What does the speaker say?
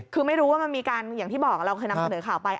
คือไม่รู้ว่ามันมีการอย่างที่บอกเราเคยนำเสนอข่าวไป